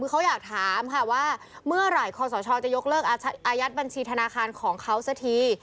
คือเขาอยากถามค่ะว่าเมื่อไหร่คอสชจะยกเลิกอายัดบัญชีธนาคารของเขาสักที